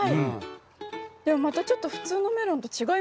でもまたちょっと普通のメロンと違いますね。